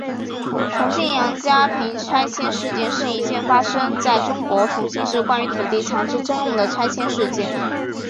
重庆杨家坪拆迁事件是一件发生在中国重庆市关于土地强制征用的拆迁事件。